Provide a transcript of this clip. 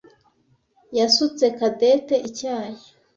yasutse Cadette icyayi.